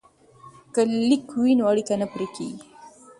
که لیک وي نو اړیکه نه پرې کیږي.